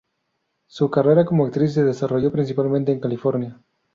Su carrera como actriz se desarrolló principalmente en California.